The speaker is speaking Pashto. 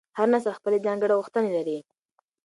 هر نسل خپلې ځانګړې غوښتنې لري.